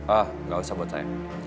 ah nggak usah buat saya